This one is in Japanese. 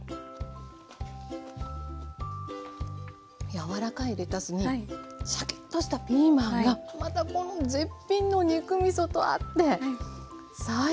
柔らかいレタスにシャキッとしたピーマンがまたこの絶品の肉みそと合って最高です。